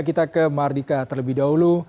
kita ke mardika terlebih dahulu